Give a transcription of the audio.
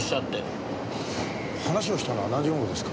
話しをしたのは何時頃ですか？